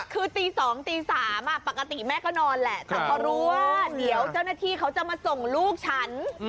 คือตี๒ตี๓ปกติแม่ก็นอนแหละแต่พอรู้ว่าเดี๋ยวเจ้าหน้าที่เขาจะมาส่งลูกฉัน